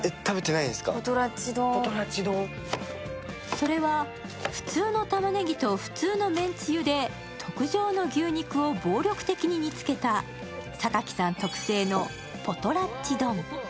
それは普通のたまねぎと普通のめんつゆで特上の牛肉を暴力的に煮つけた、榊さん特製のポトラッチ丼。